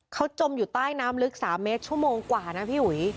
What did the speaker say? เขาจมอยู่ใต้น้ำลึก๓เมตรชั่วโมงกว่านะพี่อุ๋ย